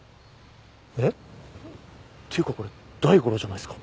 えっっていうかこれ大五郎じゃないですか？